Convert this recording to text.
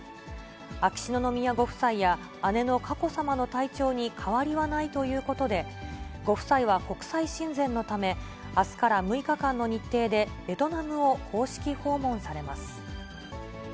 秋篠宮ご夫妻や姉の佳子さまの体調に変わりはないということで、ご夫妻は国際親善のため、あすから６日間の日程でベトナムを公式訪問されます。